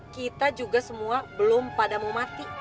kita juga semua belum pada mau mati